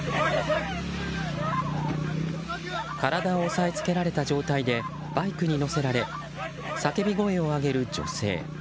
体を押さえつけられた状態でバイクに乗せられ叫び声を上げる女性。